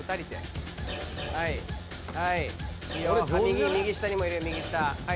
右下にもいる右下。